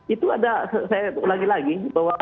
itu ada saya lagi lagi bahwa